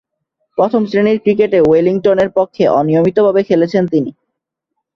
প্রথম-শ্রেণীর ক্রিকেটে ওয়েলিংটনের পক্ষে অনিয়মিতভাবে খেলেছেন তিনি।